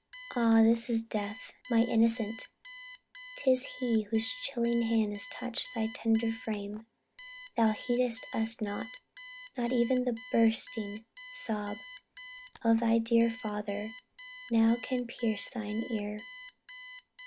"Ah this is death, my innocent! 'tis he Whose chilling hand has touched thy tender frame. Thou heed'st us not; not e'en the bursting sob Of thy dear father, now can pierce thine ear.